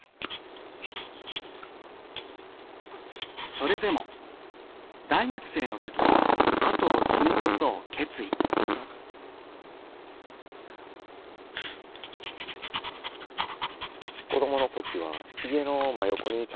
それでも大学生の時には後を継ぐことを決意子どもの時は家の真横に茶